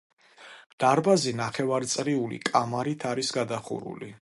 დარბაზი ნახევარწრიული კამარით არის გადახურული.